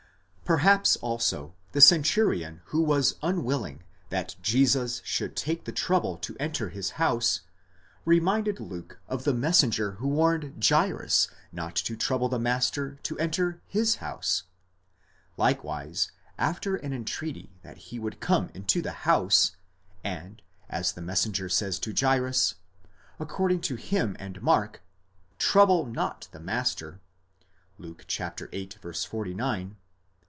Perhaps also the centurion who was unwilling that Jesus should take the trouble to enter his house, reminded Luke of the messenger who warned Jairus not to trouble the master to enter his house, likewise after an entreaty that he would come into the house ; and as the messenger says to Jairus, according to him and Mark, μὴ σκύλλε. τὸν διδάσκαλον, trouble not the master (Luke viii.